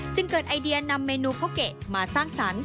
เกิดไอเดียนำเมนูโกเกะมาสร้างสรรค์